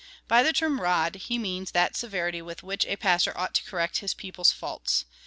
By the term rod, he means that severity with which a pastor ought to correct his people's faults.